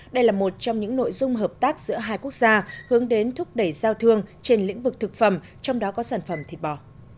đây là một trong những nội dung hợp tác giữa hai quốc gia hướng đến thúc đẩy giao thương trên lĩnh vực thực phẩm trong đó có sản phẩm thịt bò